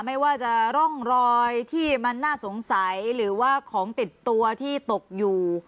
ไม่ว่าจะร่องรอยที่มันน่าสงสัยหรือว่าของติดตัวที่ตกอยู่